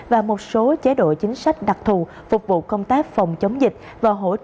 và một số chế độ chính sách đặc thù phục vụ công tác phòng chống dịch